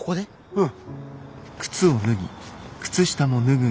うん。